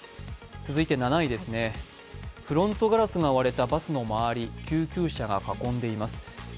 続いて７位ですね、フロントガラスが割れたバスの周り、救急車が囲んでいますね。